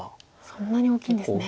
そんなに大きいんですね。